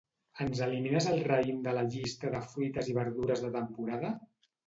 Ens elimines el raïm de la llista de fruites i verdures de temporada?